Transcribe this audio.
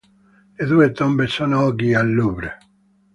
Le due tombe sono oggi al Louvre.